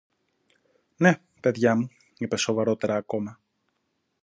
Ναι, παιδιά μου, είπε σοβαρότερα ακόμα